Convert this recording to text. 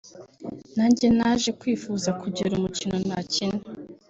nanjye naje kwifuza kugira umukino nakina